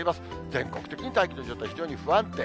全国的に大気の状態、非常に不安定。